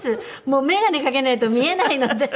もう眼鏡かけないと見えないので。